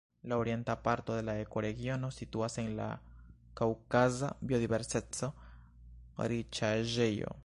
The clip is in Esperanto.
La orienta parto de la ekoregiono situas en la kaŭkaza biodiverseco-riĉaĵejo.